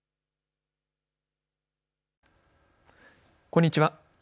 こんにちは。